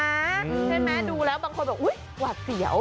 ใช่ไหมดูแล้วบางคนบอกอุ๊ยหวาดเสียว